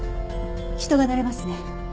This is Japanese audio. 人が乗れますね。